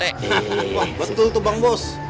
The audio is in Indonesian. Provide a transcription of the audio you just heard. wah betul tuh bang bos